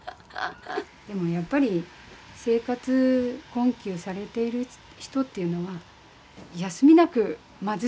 でもやっぱり生活困窮されている人っていうのは失礼します。